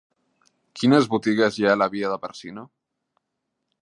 Quines botigues hi ha a la via de Bàrcino?